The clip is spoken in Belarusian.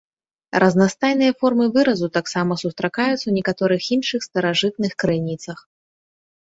Разнастайныя формы выразу таксама сустракаюцца ў некаторых іншых старажытных крыніцах.